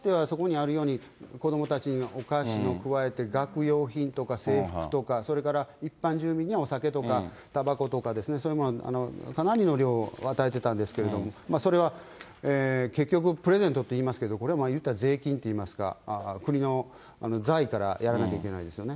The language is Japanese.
これは指導者からのプレゼントっていうやり方なんですけれども、かつてはそこにあるように、子どもたちにお菓子に加えて、学用品とか制服とか、それから一般住民にはお酒とか、たばことかですね、そういうものをかなりの量を与えてたんですけれども、それは結局、プレゼントっていいますけど、これはいうたら税金といいますか、国の財からやらなきゃいけないですよね。